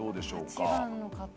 ８番の方。